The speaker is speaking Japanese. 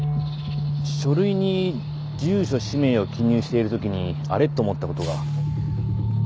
書類に住所氏名を記入している時にあれ？と思った事が。